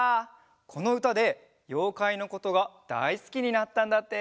このうたでようかいのことがだいすきになったんだって。